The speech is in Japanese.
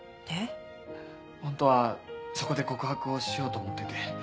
ホントはそこで告白をしようと思ってて。